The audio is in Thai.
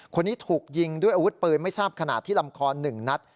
คนนี้ถูกยิงด้วยอาวุธปืนไม่ทราบขนาดที่ลำคอ๑นัด